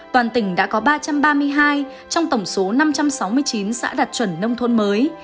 toàn tỉnh đã có ba trăm ba mươi hai trong tổng số năm trăm sáu mươi chín xã đạt chuẩn nông thôn mới